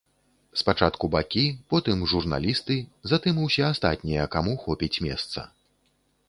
Спачатку бакі, потым журналісты, затым усе астатнія, каму хопіць месца.